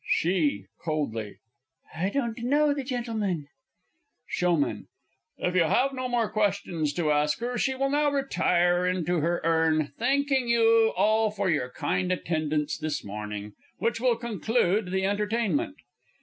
SHE (coldly). I don't know the gentleman. SHOWMAN. If you have no more questions to ask her, She will now retire into her Urn thenking you all for your kind attendance this morning, which will conclude the entertainment.